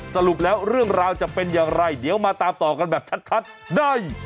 สรุปแล้วเรื่องราวจะเป็นอย่างไรเดี๋ยวมาตามต่อกันแบบชัดได้